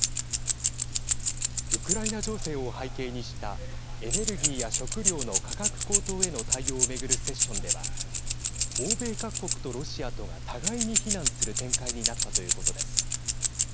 ウクライナ情勢を背景にしたエネルギーや食料の価格高騰への対応を巡るセッションでは欧米各国とロシアとが互いに非難する展開になったということです。